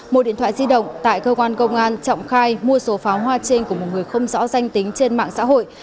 một điện thoại di động tại cơ quan công an trọng khai mua số pháo hoa trên của một người không rõ danh tính trên mạng xã hội